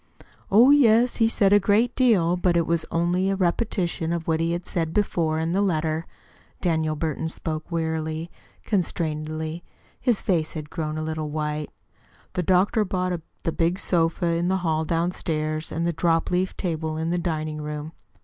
"Oh, yes, he said a great deal but it was only a repetition of what he had said before in the letter." Daniel Burton spoke wearily, constrainedly. His face had grown a little white. "The doctor bought the big sofa in the hall downstairs, and the dropleaf table in the dining room."